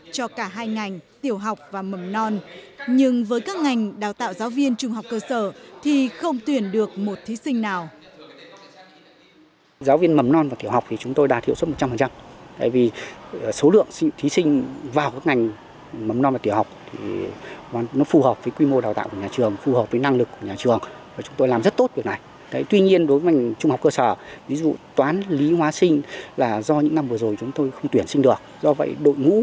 cho cả hai ngành tiểu học và mầm non nhưng với các ngành đào tạo giáo viên trung học cơ sở thì không tuyển được một thí sinh nào